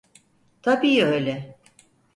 Tabii öyle.